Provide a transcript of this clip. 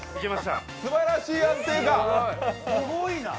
すばらしい安定感。